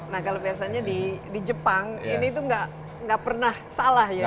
nah kalau biasanya di jepang ini tuh gak pernah salah ya